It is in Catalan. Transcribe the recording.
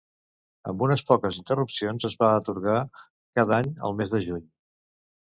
Amb unes poques interrupcions es va atorgar cada any al mes de juny.